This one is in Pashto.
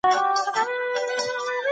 ټولنيز علوم د ټولنې جوړښت څېړي.